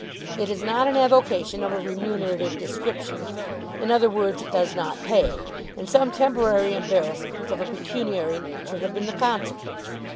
It is not an avocation of a remunerative description in other words, it does not pay and some temporary embarrassments of a pecuniary nature have been the consequence.